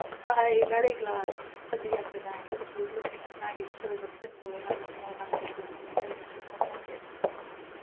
"Ay, very glad," said the younger man, who was looking at Maggie's silver thimble and other small matters that had been taken from her pocket.